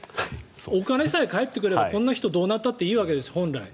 お金さえ返ってくればこんな人どうなったっていいんです本来。